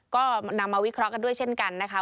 ก็นำมาวิเคราะห์กันด้วยเช่นกันนะคะ